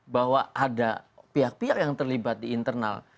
bahwa ada pihak pihak yang terlibat di internal